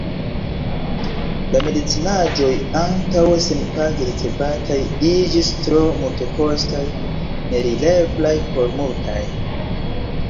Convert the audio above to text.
La medicinaĵoj, antaŭe senpage ricevataj, iĝis tro multekostaj, nealireblaj por multaj.